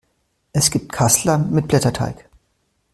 Es gibt Kassler mit Blätterteig.